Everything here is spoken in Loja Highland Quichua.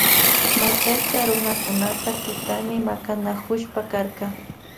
Machashka runakuna tutapi makanakushpa karka.